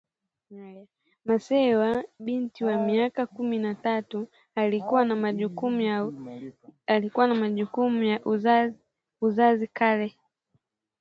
Masewa, binti wa miaka kumi na tatu , alikuwa na majukumu ya uzazi kale